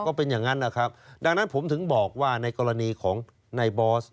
ก็เป็นอย่างนั้นนะครับดังนั้นผมถึงบอกว่าในกรณีของในบอส